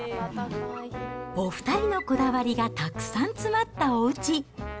お２人のこだわりがたくさん詰まったおうち。